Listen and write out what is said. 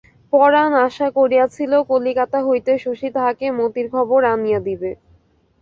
পরাণ আশা করিয়াছিল কলিকাতা হইতে শশী তাহাকে মতির খবর আনিয়া দিবে।